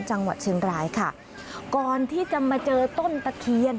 จังหวัดเชียงรายค่ะก่อนที่จะมาเจอต้นตะเคียน